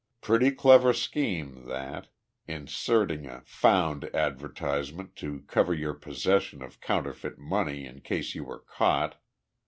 Pretty clever scheme, that. Inserting a 'found advertisement' to cover your possession of counterfeit money in case you were caught.